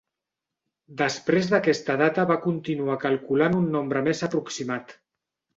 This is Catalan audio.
Després d'aquesta data va continuar calculant un nombre més aproximat.